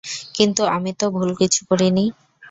কিন্তু আমি তো ভুল কিছু করিনি।